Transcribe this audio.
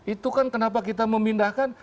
itu kan kenapa kita memindahkan